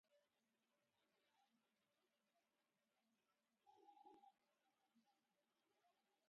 It was shot in Barcelona in June.